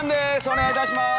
お願いいたします。